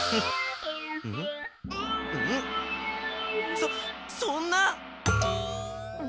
そっそんな！